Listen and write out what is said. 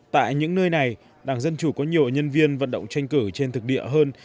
tại những nơi này đảng dân chủ có nhiều nhân viên vận động tranh cử trên thực địa hơn